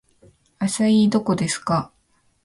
アサイーどこですか